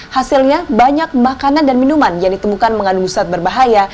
hasilnya banyak makanan dan minuman yang ditemukan mengandung zat berbahaya